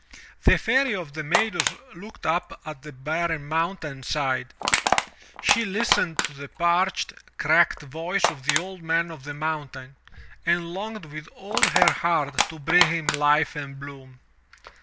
The Fairy of the Meadows looked up at the barren mountain side; she listened to the parched, cracked voice of the Old Man of the Mountain and longed with all her heart to bring him life and bloom.